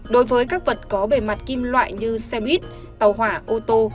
đối với các vật có bề mặt kim loại như xe buýt tàu hỏa ô tô